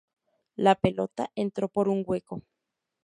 La pelota entró por un hueco.